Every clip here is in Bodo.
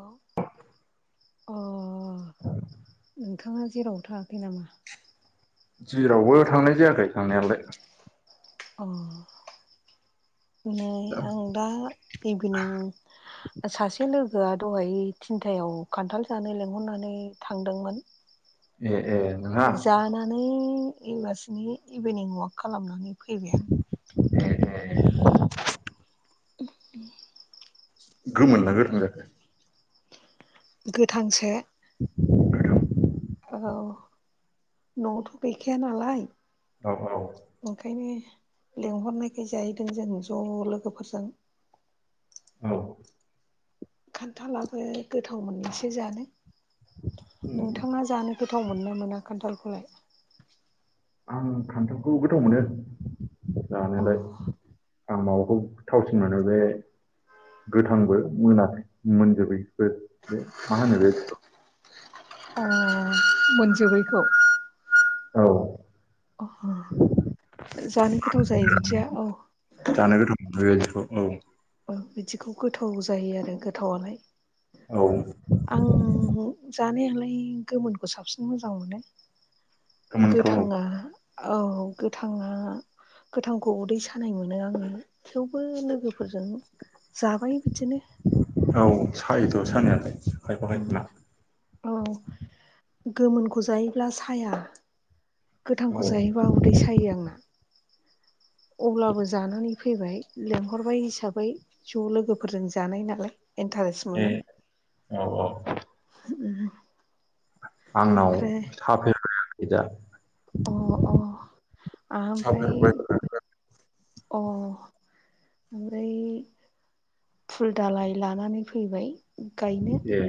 अ नोंथाङा जेराव थाङाखै नामा? जेरावबो थांनाय जायाखै थांनायालाय अ नै आं दा इभिनिं सासे लोगोआ दहाय थिनथायाव खान्थाल जानो लिंहरनानै थांदोंमोन। ए ए नोंहा जानानै एबसिनि इभिनिं अवाक खालामनानै फैबाय आं ए ए [inaudible] गोमोन ना गोथां जाखो गोथांसो गोथां औ न'आवथ' गैखाया नालाय औ औ। ओंखायनो लेंंहरनायखाय जाहैदों जों ज' लोगोफोरजों। औ खान्थालाबो गोथाव मोननोसो जानो नोंथाङा जानो गो गोथाव मोननो मोना खान्थालखौलाय? आं फान्थालखौ गोथाव मोनो अ जानायालाय आं माबाखौ थावसिन मोनो बे गोथांबो मोनाखै मोनजोबैबो बे मा होनो बेथि ओ मोनजोबैखौ औ अ जानो गोथाव जायो बिदिया औ जानो गोथाव मोनथारो बिदिखौ औ बिदिखौ गोथाव जायो आरो गोथावलाय औ आं जानायालाय गोमोनखौ साबसिन मोजां मोनो। गोमोनथ' गोथाङा औ गोथाङा गोथांखौ उदै सानाय मोनो आङो थेवबो लोगोफोर फोरजों जाबाय बिदिनो औ सायोथ' सानायालाय खायफा खायफा ना औ गोमोनखौ जायोब्ला साया औ गोथांखौ जाहायोबा उदै सायो आंना अब्लाबो जानानै फैबाय लेंहरबाय हिसाबै ज' लोगोफोरजों जानाय नालाय इन्टारेस्ट ए मोनो औ औ आंनाव ओमफ्राय साफेरबायाखै दा अ अ आओमफ्राय साफेरबाय अ ओमफ्राय फुल दालाय लानानै फैबाय गायनो ए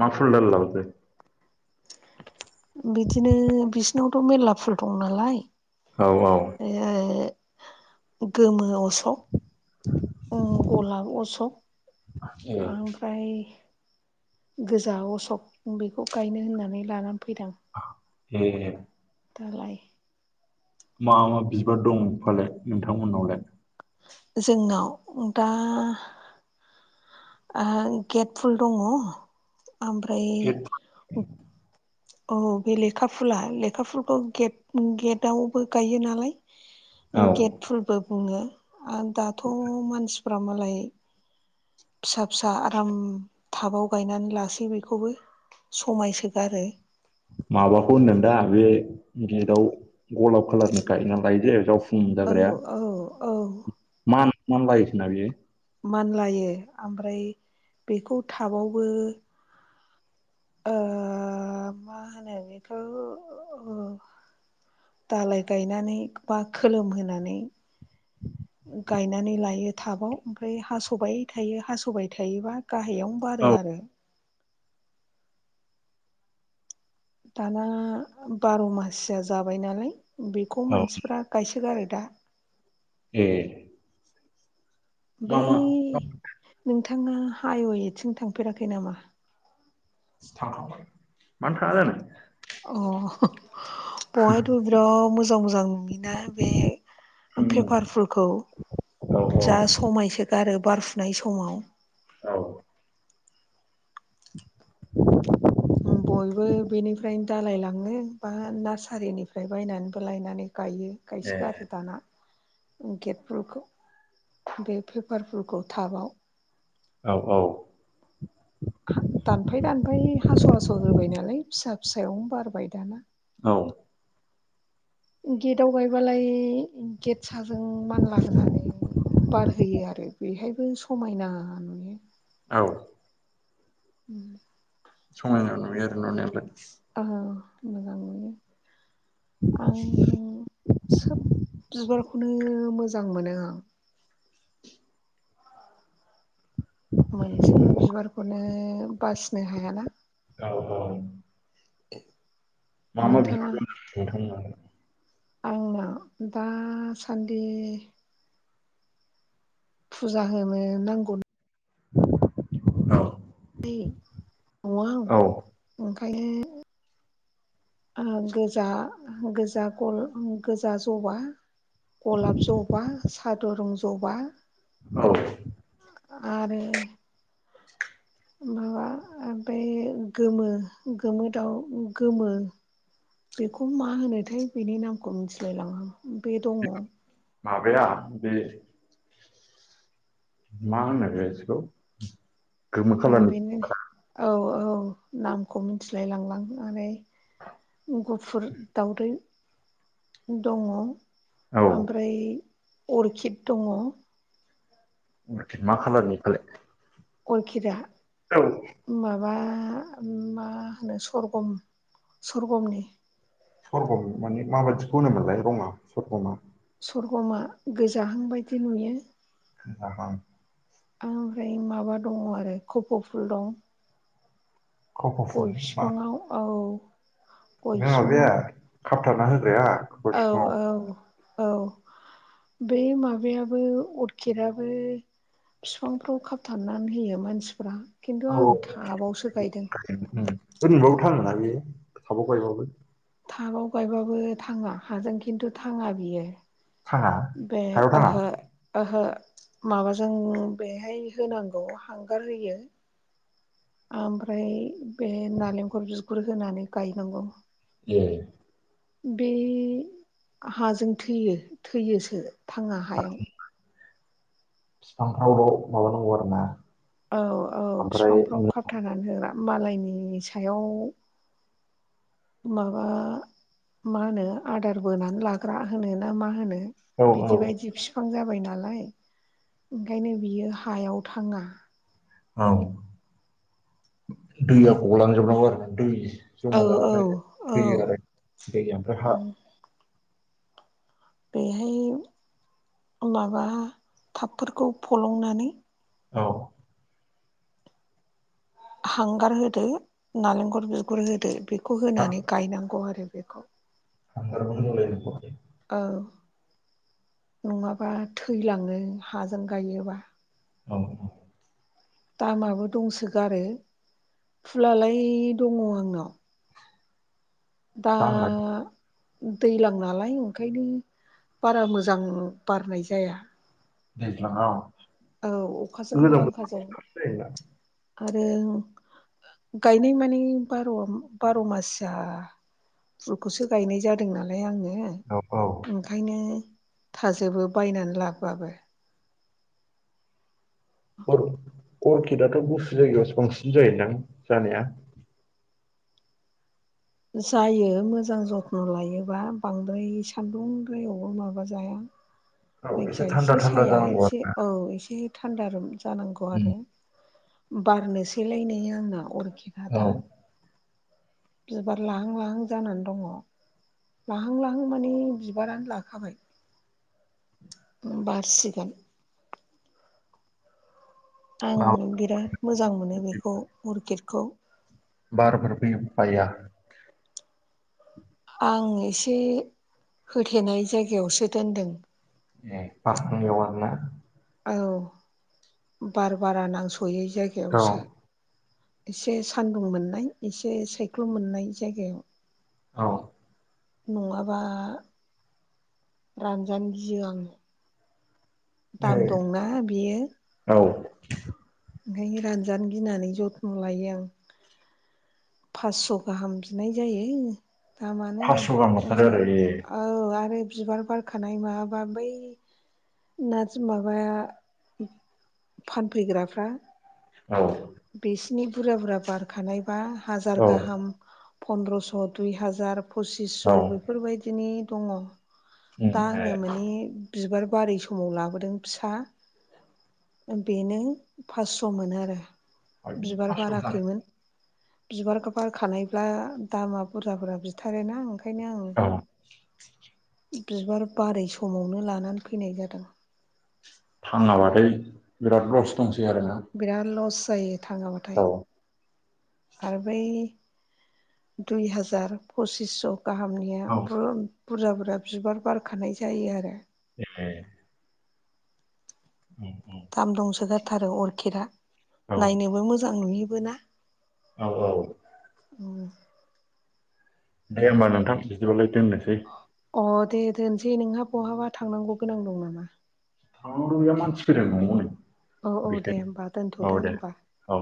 मा फुल दालाय लााबोदों बिदिनो बिसिनावथ' मेर्ला फुल दं नालाय औ औ ओ गोमो असौ औ गलाब ए अशक ओमफ्राय गोजा अशक बेखौ गायनो होननानै लानानै फैदों आ ए दालाय मा मा बिबार दं फालाय नोंथांमोननावलाय? जोंनाव दा गेट फुल दङ ओमफ्राय औ बे लेखा फुला लेखा फुलखौ गेट गेटआवबो गायो नालाय [inaudible] गेटफोरबो बुङो आरो दाथ' मानसिफ मालाय फिसा फिसा आराम टाबाव गायनानै लासै बेखौबो समायसोगारो माबाखौ होनदों दा बे गेटाव गलाब खाालारनि गायना लायोदे जाव औ औ औ मान मानबायोसोना बियो मानलायो ओमफ्राय बेखौ थटाबावबो ओ मा होनो बेखौ दालाय गायनानै बा खोलोमहोनानै गायनानै लायो टाबाव ओमफ्राय हास'बाय थायो हास'बाय थायोबा गाहायावनो औ बारो आरो दाना बार' मासया जाबाय नालाय बेखौ औ मानसिफ्रा गायसोगारो दा ए मा बै मा नोंथाङा हाइवेथिं थांफेराखै नामा? थांखांबाय मानो थाङा जानो। अ बेहायथ' बिराद मोजां मोजां ना बे पेपारफोरखौ औ औ समायसो गारो बारफुनाय समाव औ [inaudible] बयबो बेनिफ्रायनो दालायलाङो बा नार्सारिनिफ्राय बायनानैबो लायनानै गायो। ए गायसोगारो दाना गेट बुखौ बे पेपार बुखौ टाबाव औ औ‌ दानफाय दानफाय हास' हास' होबाय नालाय फिसा फिसायावनो बारबाय दाना। औ गेटाव गायबालाय गेट साजों मानला होनानै बारहोयो आरो बेहायबो समायना नुयो। औ उम समायनााव नुयो आरो नुनायालाय। मोजां नुयो आं [unintelligible] सोब बिबारखौनो मोजां मोनो आं। [unintelligible] मोनसेबो बिबारखौनो बासिनो हायाना। औ औ मा मा बिबार नोंथाङा दं नोंथांमोननाव? आंनाव दासान्दि- फुजा होनो नांगौ औ नालाय नआव औ ओंखायनो गोजा गोजा गल गोजा ज'बा गलाब जबा साद रं जबा औ आरो माबा ओमफ्राय गोमो गोमो दाउ गोमो। बेखौ मा होनोथाय बेनि नामखौ मिथिलायलाङा बे दङ। माबाया बे मा होनोथाय बिखौ आं बेनो औ औ नामखौ मिथिलायलांला गुफुर दावदै दङ- औ ओमफ्राय अरखिड दङ। मा खालारनि फालाय? गरखिदा औ माबा मा होनो सरगम सवरगमनि सरगम माने माबायदिखौ होननो मोनलाय रङा सरगमा? सवरगमा गोजाहां बायदि नुयो। [unintelligible] ओमफ्राय माबा दङ आरो खफ' फुल दं खफ'फुल गय मा बिफाङाव औ गय बे माबाया बिफाङाव खाबथना होग्राया खफ' सिङाव औ औ औ बै माबायाबो अरखिदाबबो बिफांफ्राव खाबथारनानै होयो मानसिफ्रा खिन्थु आं टाबावसो गायदों [unintelligible] ओैबाबो थाङो ना बेयो थाबावबायबाबो टाबाव गायबाबो थाङा हाजों खिन्थु थाङा बियो थाङा बे हायाव थाङा आहो ओहो माबाजों बेहाय होनांगौ हांगार होयो ओमफ्राय बे नालेंखल बिगुर होनानै गायनांगौ ए बे हाजों थैयो थैयोसो थाङा हायाव बिफांफ्रावल' माबानांगौ आरो ना औ औ ओमफ्राय बिफांफ्राव खााबथानानै होग्रा मालायनि सायाव माबा मा होनो आदार बोनानै लाग्रा होनो ना मा होनो औ औ बिदि बायदि बिफां जाबाय नालाय ओंखायनो बियो हायाव थाङा औ दैया गलांजोबनांगौ आरो दै औ जमा औ जाबथाय औ थैयो आरो दै ओमफ्राय हा बेहाय माबा थापफोरखौ फलंनानै औ हांगार होदो नालेंखर बिगुर होदो बेखौ हा होनानै गायनांगौ आरो बेखौ थांगार बलाय औ नङाबा थैलाङो हाजों गायोबा औ औ दामाबो दंसोगारो फुललाय दङ आंनाव दा दामलाय दैज्लां नालाय ओंखायनो बारा मोजां बारनाय जाया दैज्लाङाव औ अखाजों गोजां बांखाजों बोथोरावसो जायोना आरो गायनाय माने बार' बार' मासिआ फुलखौसो गायनाय जादों नालाय आङो औ औ ओंखायनो थाजोबो बायनानै लाबोबाबबो अर्किदाथ' गुसु जायगायावसो बांसिन जायोदां जानाया जायो मोजां जथन' लायोबा बांद्राय सान्दुं दैायावबो माबा जाया औ जायखिजया थान्दा एसे थान्दा साया जानांगौ आरो एसे ना औ एसे थान्दा जानांगौ आरो बारनोसैलायनाय आंना अरखिखा औ दा बिबार लाहां लाहां जानानै दङ लाहां लाहां माने बिबारानो लाखाबाय बारसिगोन आं बिराद मोजां मोनो बेखौ अरकिडखौ बार बारफोर फैबाया आं एसे होथेनाय जायगायावसो दोनदों ए [unintelligible] आरोना औ बार बारा नांस'यै औ जायगायावसो एसे सान्दुं मोननाय एसे सायख्लुम मोननाय जायगायाव औ नङाबा रानजानो गियो आङो ए दाम दंना बियो औ। ओंखायनो रानजानो गिनानै जथ्न' लायो आं फास्स' गाहाम बिनाय जायो। दामानो फासस' गाहाम हरथारो फांसेयाव आरो ए औ आरो बिबार बारखानाय माबा बै नार्जि माबाया फानफैग्राफ्रा औ बिसिनि बुरजा बुरजा बारखानायबा हाजार औ गाहाम पन्दद्रस' दुइ हाजार औ पसिसस' बेफोरबायदिनि दङ। उम दा ए आङो माने बिबार बारै समाव लाबोदों फिसा बेनो फासस' मोनो आरो बिबार फास्स' होथारो बाराखैमोन बिबार बारखानायब्ला दामा बुरजाफोरा बि बथारोना ओंखायनो औ आं बिबार बारै समावनो लानानै फैनाय जादों। थाङाबाथाय बिराद लस दंसै आरोना बिराद लस जायो थाङाबाथाय औ। आरो बै दुइ हाजार फसिसस' गाहामनिया औ बुरजा बुरजा बिबार बारखानाय जायो आरो एह उम दाम दंसोगारथारो अरखिदा औ नायनोबो मोजां नुयोबो ना। औ औ। उम दे होमबा नोंथां बिदिबालाय दोननोसै। अ दे दोनसै नोंहा बहाबा थांनांगौ गोनां दं नामा? हयाव मानसि खोदों न'आवनो औ औ दे होमबा दोनथ'दो होमबा। औ।